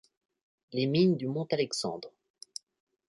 Les mines du mont Alexandre